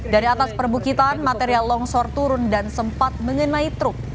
dari atas perbukitan material longsor turun dan sempat mengenai truk